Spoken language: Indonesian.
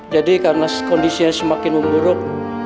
jadi karena kondisi yang semakin memburuk